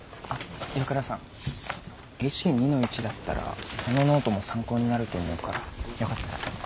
岩倉さんＨＫ２−１だったらこのノートも参考になると思うからよかったら。